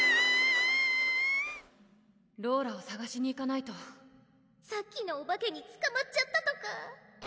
ローラをさがしに行かないとさっきのお化けにつかまっちゃったとか・・